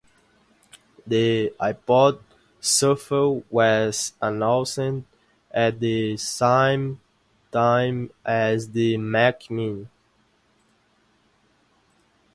The iPod Shuffle was announced at the same time as the Mac Mini.